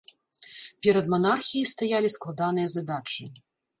Перад манархіяй стаялі складаныя задачы.